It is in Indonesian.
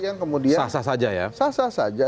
yang kemudian sah sah saja